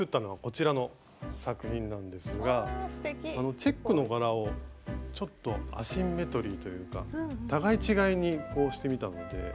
チェックの柄をちょっとアシンメトリーというか互い違いにこうしてみたので。